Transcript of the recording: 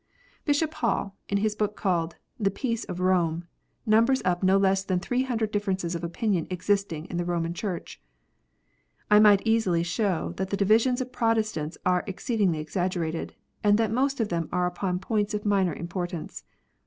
Bishop Hall, in his book called The Peace of Rome, numbers up no less than three hundred differences of opinion existing in the Romish Church. I might easily show that the divisions of Protestants are exceedingly exaggerated, and that most of them are upon points of minor importance.